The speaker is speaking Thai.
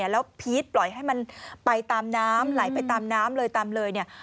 แล้วพีชปล่อยให้มันไปตามน้ำไหลไปตามน้ำเลย